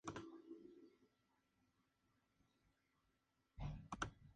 Se estima que un millón de congoleños murieron durante este período.